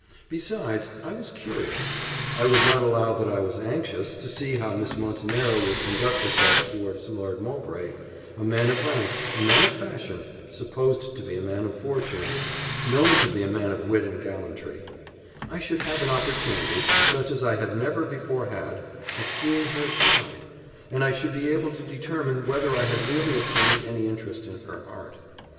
Besides, I was curious I would not allow that I was anxious to see how Miss Montenero would conduct herself towards Lord Mowbray a man of rank a man of fashion supposed to be a man of fortune known to be a man of wit and gallantry: I should have an opportunity, such as I had never before had, of seeing her tried; and I should be able to determine whether I had really obtained any interest in her heart.